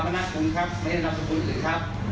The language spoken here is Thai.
ขอบคุณครับไม่ได้รับสมบูรณ์อื่นครับ